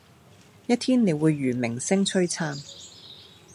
一天你會如明星璀璨